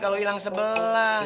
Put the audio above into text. kalau hilang sebelah